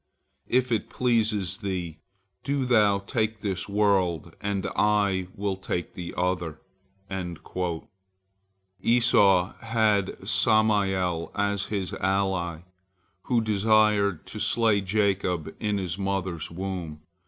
If it please thee, do thou take this world, and I will take the other." Esau had Samael as his ally, who desired to slay Jacob in his mother's womb.